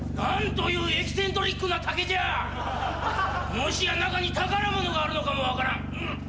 もしや中に宝物があるのかもわからん。